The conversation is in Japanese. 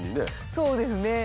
そうですね。